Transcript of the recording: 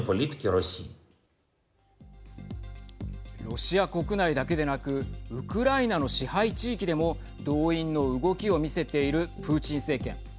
ロシア国内だけでなくウクライナの支配地域でも動員の動きを見せているプーチン政権。